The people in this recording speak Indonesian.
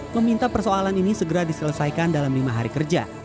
meminta persoalan ini segera diselesaikan dalam lima hari kerja